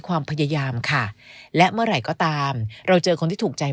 ความพยายามค่ะและเมื่อไหร่ก็ตามเราเจอคนที่ถูกใจ